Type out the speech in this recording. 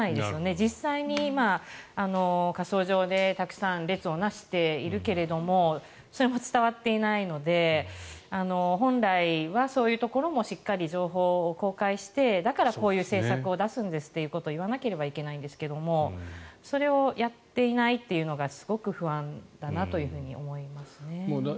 実際に火葬場でたくさん列を成しているけれどもそれも伝わっていないので本来はそういうところもしっかり情報を公開してだからこういう政策を出すんですということを言わなければいけないんですがそれをやっていないというのがすごく不安だなと思いますね。